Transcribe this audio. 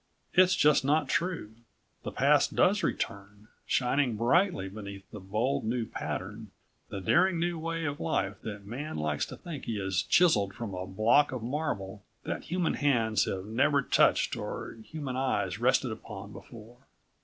It's just not true. The past does return, shining brightly beneath the bold new pattern, the daring new way of life that Man likes to think he has chiseled from a block of marble that human hands have never touched or human eyes rested upon before.